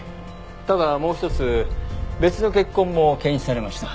ただもう一つ別の血痕も検出されました。